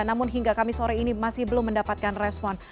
namun hingga kami sore ini masih belum mendapatkan respon